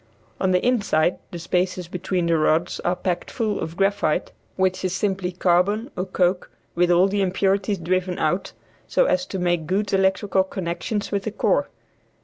On the inside the spaces between the rods are packed full of graphite, which is simply carbon or coke with all the impurities driven out, so as to make good electrical connections with the core.